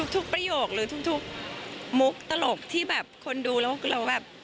ประโยคหรือทุกมุกตลกที่แบบคนดูแล้วเราแบบ